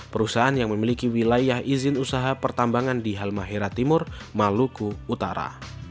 perusahaan yang memiliki wilayah izin usaha pertambangan di halmahera timur maluku utara